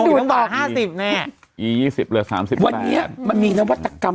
โน้ทคืองิสโตะห้าสิบแน่อีสิบเหลือสามสิบแปดวันนี้มันมีนวัตกรรม